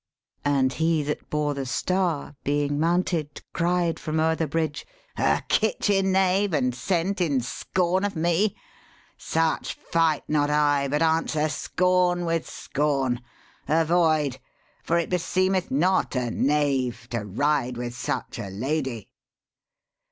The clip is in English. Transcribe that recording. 190 EPIC POETRY And he that bore The star, being mounted, cried from o'er the bridge, 'A kitchen knave, and sent in scorn of me! Such fight not I, but answer scorn with scorn. Avoid: for it beseemeth not a knave To ride with such a lady.'